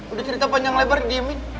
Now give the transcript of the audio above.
udah cerita panjang lebar di diemin